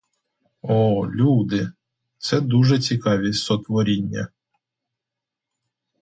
О, люди, — це дуже цікаві сотворіння!